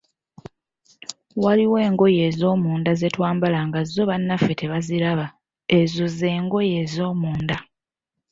Waliwo engoye ez'omunda ze twambala nga zo bannaffe tebaziraba, ezo z'engoye ez'omunda.